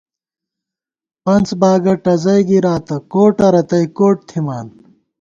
پنڅ باگہ ٹزَئی گِراتہ، کوٹہ رتئی کوٹ تھِمان